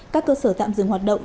các cơ sở tạm dừng hoạt động